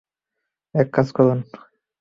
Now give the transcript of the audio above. এক কাজ করুন।